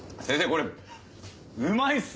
これうまいっす！